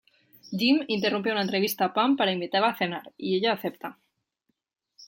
Jim interrumpe una entrevista a Pam para invitarla a cenar, y ella acepta.